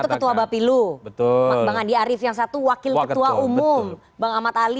ketua bapilu betul bang andi arief yang satu wakil ketua umum bang ahmad ali